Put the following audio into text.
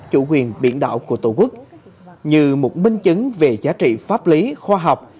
chủ quyền biển đảo của tổ quốc như một minh chứng về giá trị pháp lý khoa học